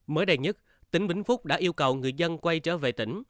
mới đây nhất tỉnh vĩnh phúc đã yêu cầu người dân quay trở về tỉnh